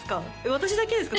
私だけですか？